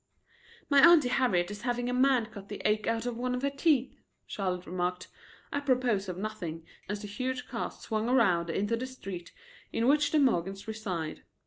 "My Auntie Harriet is having a man cut the ache out of one of her teeth," Charlotte remarked, apropos of nothing, as the huge car swung around into the street in which the Morgans reside.